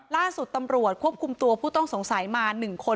ล่าสุดตำรวจควบคุมตัวผู้ต้องสงสัยมา๑คน